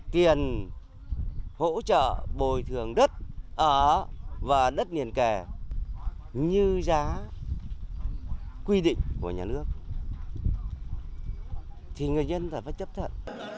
tiền hỗ trợ bồi thường đất ở và đất niền kè như giá quy định của nhà nước thì người dân là phải chấp nhận